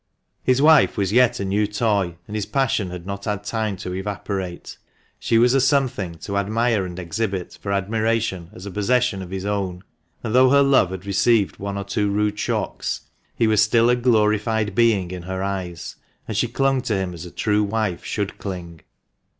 His wife was yet a new toy, and his passion had not had time to evaporate. She was a something to admire and exhibit for admiration as a possession of his own ; and though her love had received one or two rude shocks, he was still a glorified being in her eyes, and she clung to him as a true wife should cling.